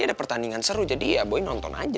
ada pertandingan seru jadi ya boeing nonton aja